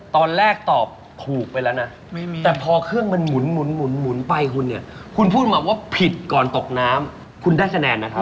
ตอนแรกตอบถูกไปแล้วนะแต่พอเครื่องมันหมุนไปคุณเนี่ยคุณพูดมาว่าผิดก่อนตกน้ำคุณได้คะแนนนะครับ